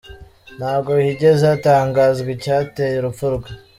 Ntabwo higeze hatangazwa icyateye urupfu rwe.